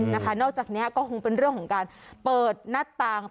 นะคะนอกจากซึ้งเนี่ยก็เป็นเรื่องของการเปิดหน้าตาก